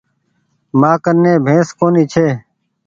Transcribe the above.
مآ ڪني بينس ڪونيٚ ڇي۔